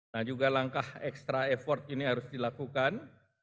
nah juga langkah ekstra effort ini harus dilakukan